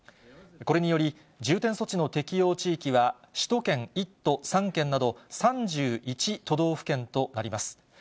これにより、重点措置の適用地域は首都圏１都３県など、３１都道府県となります。